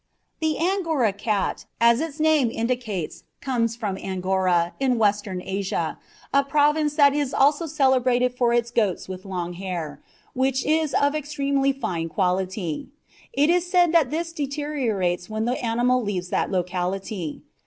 The Angora cat, as its name indicates, comes from Angora, in Western Asia, a province that is also celebrated for its goats with long hair, which is of extremely fine quality. It is said that this deteriorates when the animal leaves that locality.